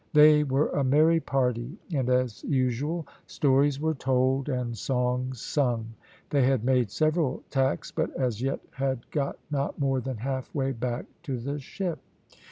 They were a merry party, and as usual stories were told and songs sung. They had made several tacks, but as yet had got not more than half way back to the ship.